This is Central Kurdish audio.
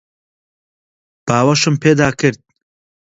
باوەشم پێدا کرد.